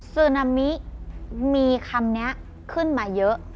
ซึนามิมีคำนี้ขึ้นมาเยอะ